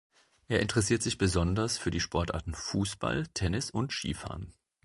Er interessiert sich besonders für die Sportarten Fußball, Tennis und Skifahren.